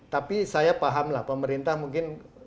tapi saya paham lah pemerintah mungkin